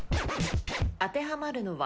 当てはまるのは？